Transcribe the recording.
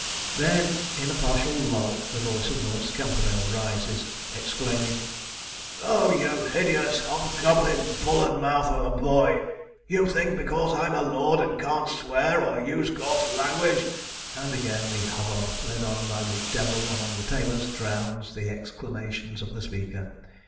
Then, in a partial lull, the voice of Lord Scamperdale rises, exclaiming, 'Oh, you hideous Hobgoblin, bull and mouth of a boy! you think, because I'm a lord, and can't swear, or use coarse language ' And again the hubbub, led on by the 'Devil among the tailors,' drowns the exclamations of the speaker.